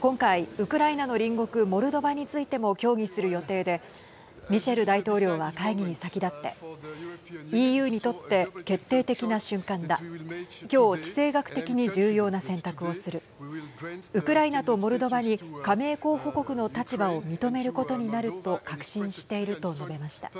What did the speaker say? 今回、ウクライナの隣国モルドバについても協議する予定でミシェル大統領は会議に先立ってＥＵにとって決定的な瞬間だきょう地政学的に重要な選択をするウクライナとモルドバに加盟候補国の立場を認めることになると確信していると述べました。